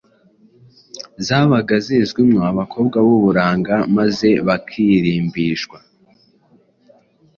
zabaga zizwimo abakobwa b’uburanga maze bakarimbishwa